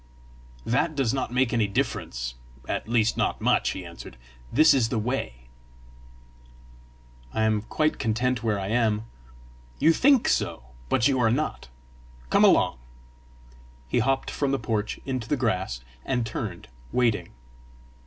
"That does not make any difference at least not much," he answered. "This is the way!" "I am quite content where I am." "You think so, but you are not. Come along." He hopped from the porch onto the grass, and turned, waiting.